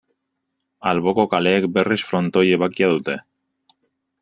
Alboko kaleek, berriz, frontoi ebakia dute.